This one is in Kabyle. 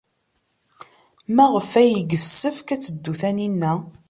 Maɣef ay yessefk ad teddu Taninna?